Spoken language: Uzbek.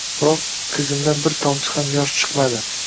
Biroq, ko`zimdan bir tomchi ham yosh chiqmadi